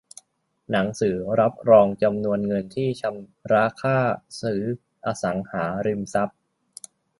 หนังสือรับรองจำนวนเงินที่ชำระค่าซื้ออสังหาริมทรัพย์